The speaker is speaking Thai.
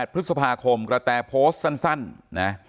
พฤษภาคมกระแตโพสต์สั้นนะ